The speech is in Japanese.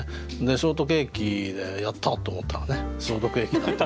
ショートケーキで「やった！」と思ったらね消毒液だった。